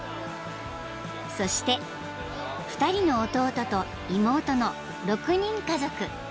［そして２人の弟と妹の６人家族］